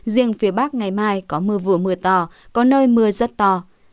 riêng phía bắc ngày mai có mưa vừa mưa to có nơi mưa rất to